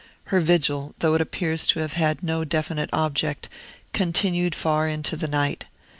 Her vigil, though it appears to have had no definite object, continued far into the night.